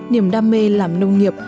niềm đam mê làm nông nghiệp